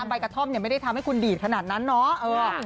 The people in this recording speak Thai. ใบกระท่อมไม่ได้ทำให้คุณดีดขนาดนั้นเนาะ